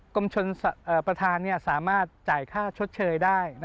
กรมชนประธานสามารถจ่ายค่าชดเชยได้